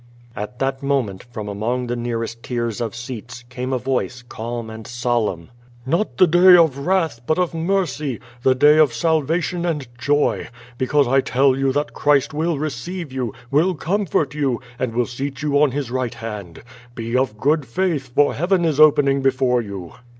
At that moment, from among the nearest tiers of seats, came a voice, calm and solemn: "Not the day of wrath, but of mercy, the day of salvation and joy, because I tell you that Clirist will receive you, will comfort you, and will seat you on His right hand. Be of good faith, for heaven is opening before you."